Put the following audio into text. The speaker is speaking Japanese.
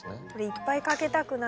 いっぱいかけたくなるな。